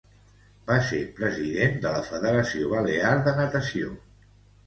Va ser president de la Federació Balear de Natació.